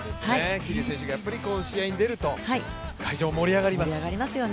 桐生選手が試合でるとやっぱり会場、盛り上がりますし。